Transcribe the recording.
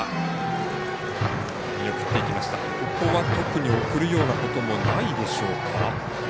ここは特に送るようなこともないでしょうか。